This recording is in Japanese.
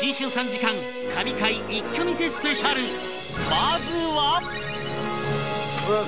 まずは